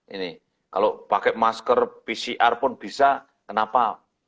ini kalau pakai masker pcr pun bisa kenapa